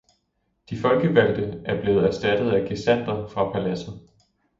De folkevalgte er blevet erstattet af gesandter fra paladset.